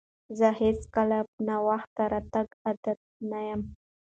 زه هیڅکله په ناوخته راتګ عادت نه یم.